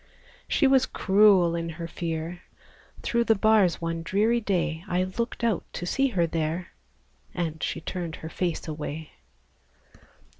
She was cruel in her fear; Through the bars one dreary day, I looked out to see her there, And she turned her face away!